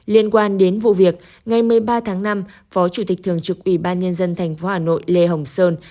liên quan đến vụ việc ngày một mươi ba tháng năm phó chủ tịch thường trực ủy ban nhân dân tp hà nội lê hồng sơn